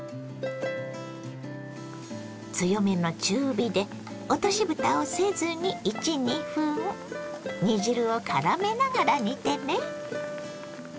強めの中火で落としぶたをせずに１２分煮汁をからめながら煮てね。